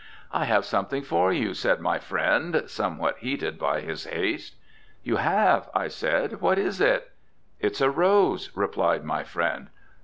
"I have something for you," said my friend, somewhat heated by his haste. "You have?" I said. "What is it?" "It's a rose," replied my friend.